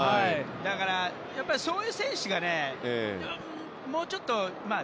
だからそういう選手がねもうちょっと。